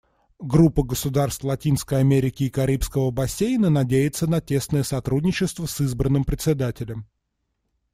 Группа государств Латинской Америки и Карибского бассейна надеется на тесное сотрудничество с избранным Председателем.